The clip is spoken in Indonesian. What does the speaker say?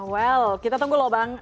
well kita tunggu loh bang